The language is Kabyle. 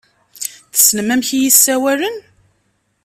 Tessnem amek iyi-ssawalen?